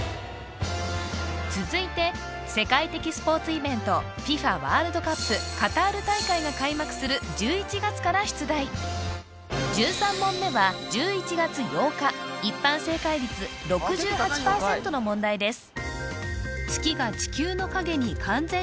続いて世界的スポーツイベントＦＩＦＡワールドカップカタール大会が開幕する１１月から出題１３問目はの問題です